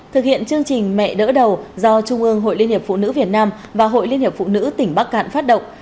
thực hiện chương trình mẹ đỡ đầu do trung ương hội liên hiệp phụ nữ việt nam và hội liên hiệp phụ nữ tỉnh bắc cạn phát động